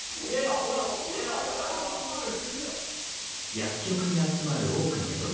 薬局に集まる多くの人々。